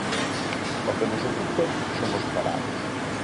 O que nos ocupa son os parados.